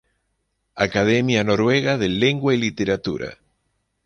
Academia Noruega de Lengua y Literatura.